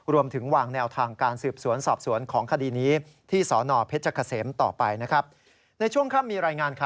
รวมถึงวางแนวทางการสืบสวนสอบสวนของคดีนี้